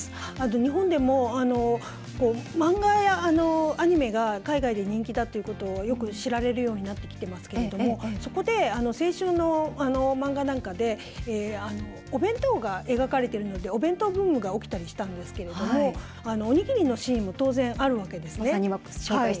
日本でも漫画やアニメが海外で人気だということがよく知られるようになってきていますけどそこで青春の漫画なんかでお弁当が描かれているのでお弁当ブームが起きたりしたんですけどおにぎりのシーンも当然、あるんですね。